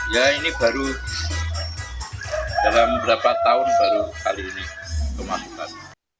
ya ini baru dalam berapa tahun baru kali ini kemampuan